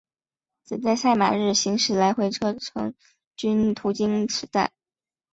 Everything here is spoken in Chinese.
只在赛马日行驶来回程均途经此站。